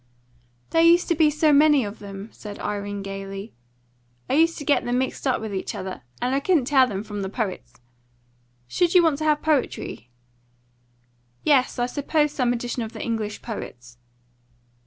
"There used to be so many of them," said Irene gaily. "I used to get them mixed up with each other, and I couldn't tell them from the poets. Should you want to have poetry?" "Yes; I suppose some edition of the English poets."